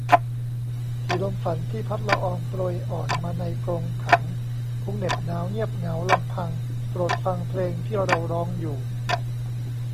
กี่ลมฝันที่พัดละอองโปรยอ่อนมาในกรงขัง คงเหน็บหนาวเงียบเหงาลำพัง โปรดฟังเพลงที่เราร้องอยู่